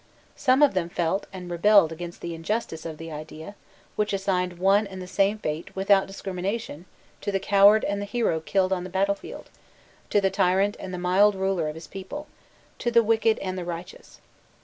Some of them felt and rebelled against the injustice of the idea, which assigned one and the same fate, without discrimination, to the coward and the hero killed on the battle field, to the tyrant and the mild ruler of his people, to the wicked and the righteous.